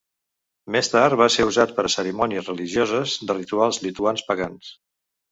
Més tard va ser usat per a cerimònies religioses de rituals lituans pagans.